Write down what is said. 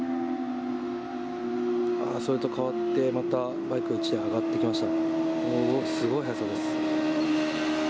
ああ、それとかわってまたバイクが１台上がってきました。